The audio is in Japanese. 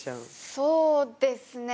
そうですね